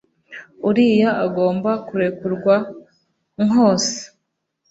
uriya agomba kurekurwa kwose